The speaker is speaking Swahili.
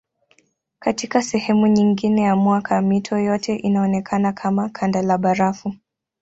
Katika sehemu nyingine ya mwaka mito yote inaonekana kama kanda la barafu.